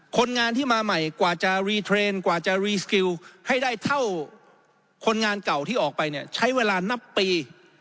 คนงานที่มาใหม่กว่าจะรีเทรนด์กว่าจะรีสกิลให้ได้เท่าคนงานเก่าที่ออกไปเนี่ยใช้เวลานับปี